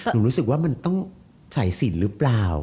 หนุ่มรู้สึกว่ามันต้องสายสินหรือเปล่า